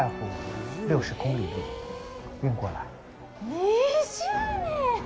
２０年！